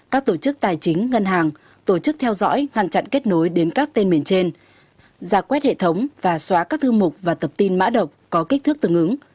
các tổ chức tài chính ngân hàng tổ chức theo dõi ngăn chặn kết nối đến các tên miền trên giả quét hệ thống và xóa các thư mục và tập tin mã độc có kích thước tương ứng